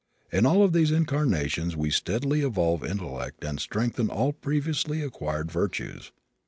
In all of these incarnations we steadily evolve intellect and strengthen all previously acquired virtues.